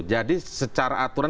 jadi secara aturan